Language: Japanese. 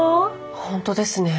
本当ですね。